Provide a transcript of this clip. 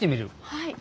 はい。